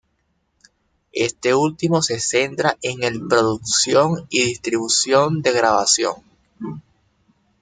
Este último se centra en el producción y distribución de grabación.